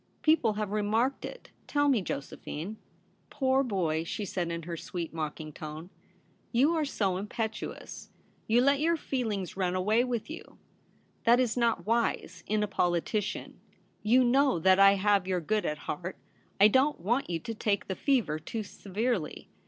People have remarked it. Tell me, Jose phine ?'' Poor boy,' she said in her sweet, mocking tone, ' you are so impetuous ; you let your 254 THE REBEL ROSE. feelings run away with you. That is not wise — in a politician. You know that I have your good at heart. I don't want you to take the fever too severely.